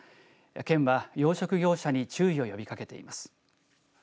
県は養殖業者に注意を呼びかけています。